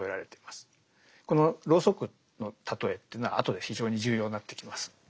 このろうそくの例えっていうのは後で非常に重要になってきます。